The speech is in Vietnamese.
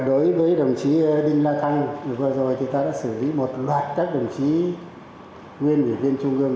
đối với đồng chí đinh la thăng vừa rồi thì ta đã xử lý một loạt các đồng chí nguyên ủy viên trung ương